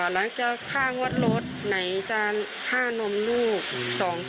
แล้วแกฆ่างวดรถไหนจะฆ่านมลูก๒คนอย่างนี้